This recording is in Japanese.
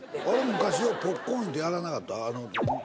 昔はポッコンってやらなかった？